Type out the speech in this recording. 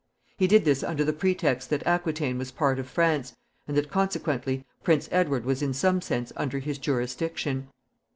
He did this under the pretext that Aquitaine was part of France, and that, consequently, Prince Edward was in some sense under his jurisdiction.